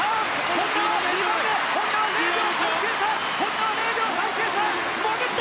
本多は２番目、０秒３９差！